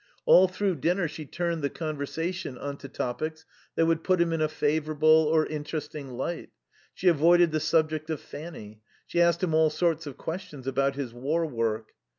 All through dinner she turned the conversation on to topics that would put him in a favourable or interesting light. She avoided the subject of Fanny. She asked him all sorts of questions about his war work.